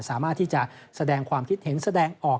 สามารถที่จะแสดงความคิดเห็นแสดงออก